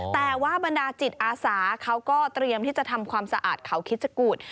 แต่ว่าบรรดาจิตอาสาเขาก็เตรียมที่จะทำความสะอาดเขาคิดชะกูธ